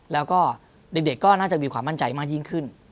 แล้วก็เด็กก็น่าจะมีความมั่นใจมากยิ่งขึ้น